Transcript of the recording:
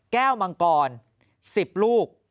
แก้วมังกร๑๐ลูก